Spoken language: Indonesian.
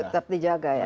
tetap dijaga ya